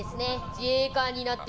自衛官になって。